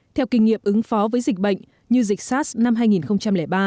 theo kinh nghiệm ứng phó với dịch bệnh như dịch sars năm hai nghìn ba